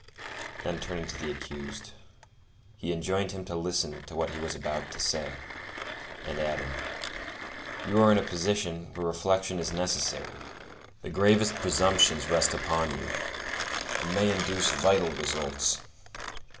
Then turning to the accused, he enjoined him to listen to what he was about to say, and added: "You are in a position where reflection is necessary. The gravest presumptions rest upon you, and may induce vital results.